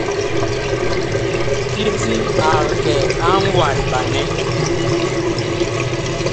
Kiti ag kɛ a ŋwalɓanɛ.